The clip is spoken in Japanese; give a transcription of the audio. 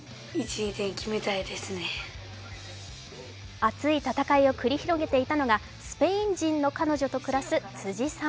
熱い戦いを繰り広げていたのがスペイン人の彼女と暮らす辻さん。